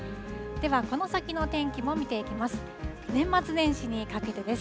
ではこの先のお天気も見ていきます。